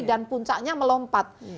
dan puncaknya melompat